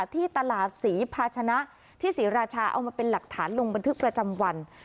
ที่ตลาดศรีภาชนะที่ศรีราชาเอามาเป็นหลักฐานลงบันทึกประจำวัน